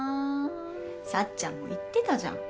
幸ちゃんも言ってたじゃん。